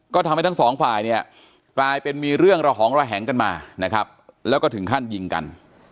ก็ทำให้ทั้งสองฝ่ายเนี่ยกลายเป็นมีเรื่องระหองระแหงกันมานะครับแล้วก็ถึงขั้นยิงกัน